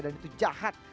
dan itu jahat